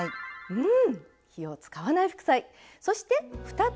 うん！